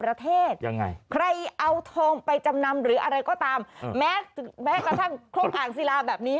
ยังไงใครเอาทองไปจำนำหรืออะไรก็ตามแม้แม้กระทั่งครกอ่างศิลาแบบนี้